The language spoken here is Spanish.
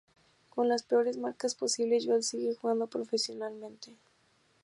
Con las peores marcas posibles, Joel sigue jugando profesionalmente.